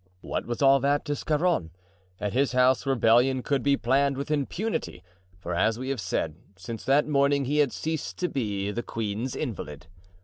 What was all that to Scarron? At his house rebellion could be planned with impunity, for, as we have said, since that morning he had ceased to be "the queen's invalid."